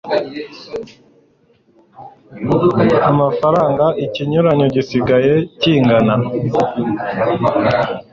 Frw ikinyuranyo gisigaye kingana